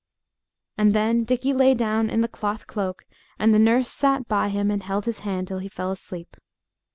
And then Dickie lay down in the cloth cloak, and the nurse sat by him and held his hand till he fell asleep.